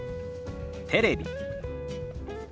「テレビ」。